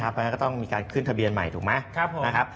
เพราะฉะนั้นก็ต้องมีการขึ้นทะเบียนใหม่ถูกไหมนะครับ